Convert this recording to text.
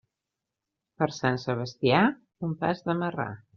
Per Sant Sebastià, un pas de marrà.